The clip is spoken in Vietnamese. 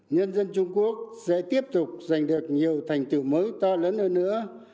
nhân dân trung quốc sẽ tiếp tục giành được nhiều thành tựu mới to lớn hơn nữa